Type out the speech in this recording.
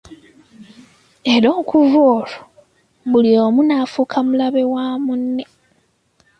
Era okuva olwo buli omu n'afuuka mulabe wa mune!